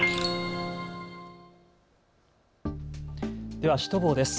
ではシュトボーです。